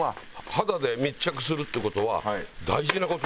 肌で密着するっていう事は大事な事なんですよ。